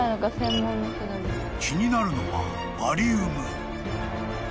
［気になるのはバリウム］